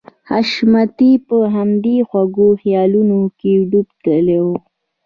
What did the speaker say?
حشمتي په همدې خوږو خيالونو کې ډوب تللی و.